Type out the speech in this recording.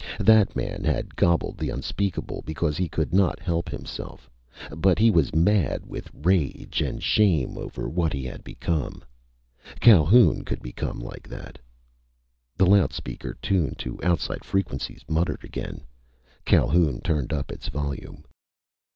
That man had gobbled the unspeakable because he could not help himself, but he was mad with rage and shame over what he had become. Calhoun could become like that The loud speaker tuned to outside frequencies muttered again. Calhoun turned up its volume.